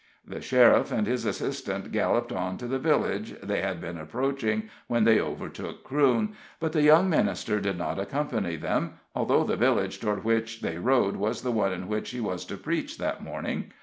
The sheriff and his assistant galloped on to the village they had been approaching when they overtook Crewne; but the young minister did not accompany them, although the village toward which they rode was the one in which he was to preach that morning.